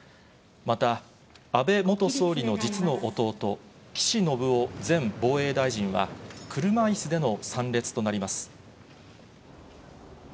また安倍元総理の実の弟、岸信夫前防衛大臣は、車いすでの参列となります。